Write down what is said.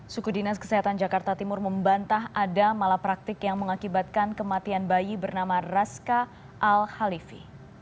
suku dinas kesehatan jakarta timur membantah ada malapraktik yang mengakibatkan kematian bayi bernama raska al khalifi